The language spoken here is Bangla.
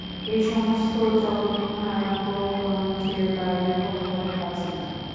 এই সমস্ত জগৎপ্রপঞ্চের বাইরে ভগবানের কাছে যাও।